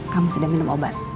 kamu sudah minum obat